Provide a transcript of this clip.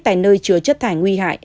tại nơi chứa chất thải nguy hại